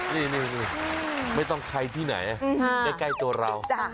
นี่ไม่ต้องใครที่ไหนใกล้ตัวเรา